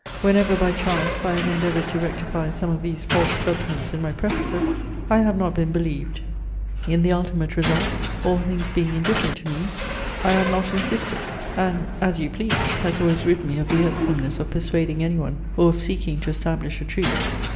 Whenever, by chance, I have endeavoured to rectify some of these false judgments in my prefaces, I have not been believed. In the ultimate result, all things being indifferent to me, I have not insisted; an "as you please" has always rid me of the irksomeness of persuading anyone or of seeking to establish a truth.